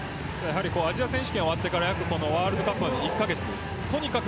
アジア選手権が終わってからワールドカップまでの１カ月とにかく